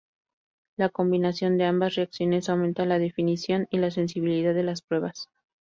La combinación de ambas reacciones aumenta la definición y la sensibilidad de las pruebas.